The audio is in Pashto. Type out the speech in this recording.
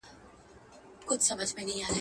د نېکۍ او د احسان خبري ښې دي.